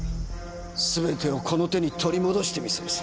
すべてをこの手に取り戻してみせるさ。